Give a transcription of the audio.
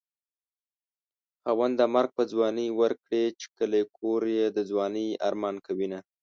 خاونده مرګ په ځوانۍ ورکړې چې کلی کور يې د ځوانۍ ارمان کوينه